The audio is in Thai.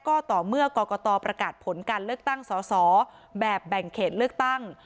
ก็ต่อเมื่อกรกตประกาศผลการเลือกตั้งสอสอแบบแบ่งเขตเลือกตั้ง